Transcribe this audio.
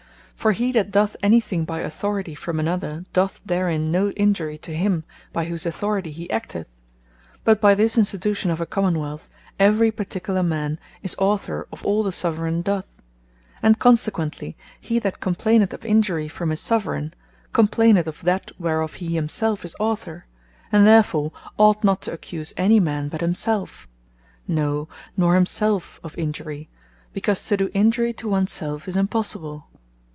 For he that doth any thing by authority from another, doth therein no injury to him by whose authority he acteth: But by this Institution of a Common wealth, every particular man is Author of all the Soveraigne doth; and consequently he that complaineth of injury from his Soveraigne, complaineth of that whereof he himselfe is Author; and therefore ought not to accuse any man but himselfe; no nor himselfe of injury; because to do injury to ones selfe, is impossible.